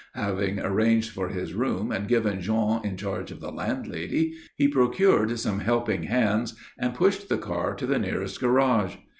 Having arranged for his room and given Jean in charge of the landlady, he procured some helping hands, and pushed the car to the nearest garage.